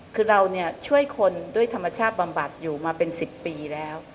คือเราช่วยคนด้วยธรรมชาติบำบัดอยู่มาเป็น๑๐ปีแล้ว